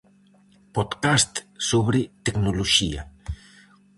Podcast sobre tecnoloxía.